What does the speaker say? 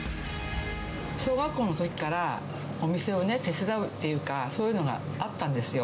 小学校のときからお店をね、手伝うっていうか、そういうのがあったんですよ。